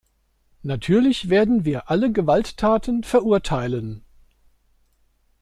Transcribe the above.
Natürlich werden wir alle Gewalttaten verurteilen.